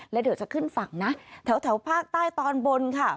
แล้วเดี๋ยวจะขึ้นฝั่งนะแถวภาคใต้ตอนบนค่ะ